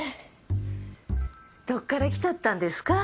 どっから来たったんですか？